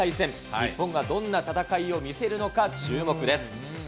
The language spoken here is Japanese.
日本がどんな戦いを見せるのか、注目です。